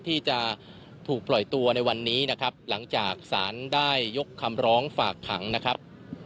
ที่จะถูกปล่อยตัวในวันนี้นะครับหลังจากสารได้ยกคำร้องฝากขังนะครับ